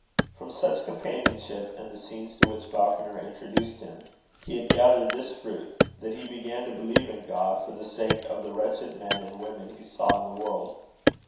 From such companionship and the scenes to which Falconer introduced him, he had gathered this fruit, that he began to believe in God for the sake of the wretched men and women he saw in the world.